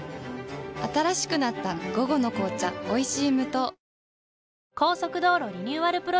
新しくなった「午後の紅茶おいしい無糖」